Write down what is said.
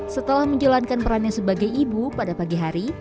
setelah menjalankan perannya sebagai ibu pada pagi hari